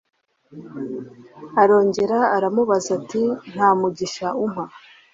Arongera aramubaza ati “Nta mugisha umpa”